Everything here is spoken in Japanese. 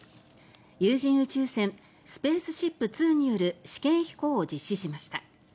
有人宇宙船スペースシップ２による試験飛行を実施しました。